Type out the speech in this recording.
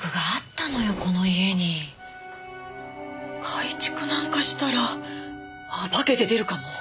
改築なんかしたら化けて出るかも。